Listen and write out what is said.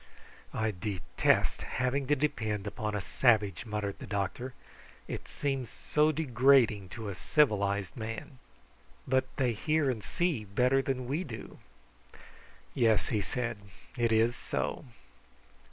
"I detest having to depend upon a savage!" muttered the doctor; "it seems so degrading to a civilised man." "But they hear and see better than we do." "Yes," he said; "it is so."